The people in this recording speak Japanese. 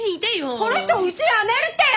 この人うち辞めるってよ！